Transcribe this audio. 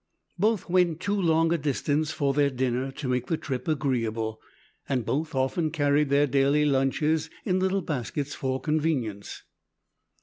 Both went too long a distance for their dinner to make the trip agreeable, and both often carried their daily lunches in little baskets for convenience.